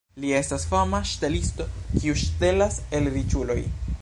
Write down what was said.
Li estas fama ŝtelisto, kiu ŝtelas el riĉuloj.